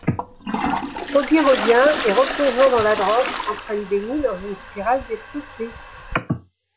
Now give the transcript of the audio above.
Fögi revient et, replongeant dans la drogue, entraîne Beni dans une spirale destructrice.